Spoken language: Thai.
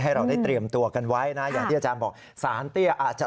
ให้เราได้เตรียมตัวกันไว้นะอย่างที่อาจารย์บอกสารเตี้ยอาจจะ